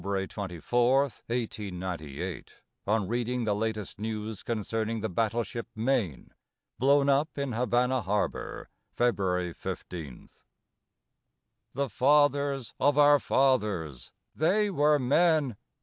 "THE FATHERS OF OUR FATHERS" _Written February 24, 1898, on reading the latest news concerning the battleship Maine, blown up in Havana Harbor, February fifteenth._ I The fathers of our fathers, they were men!